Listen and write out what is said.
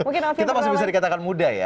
mungkin kita masih bisa dikatakan muda ya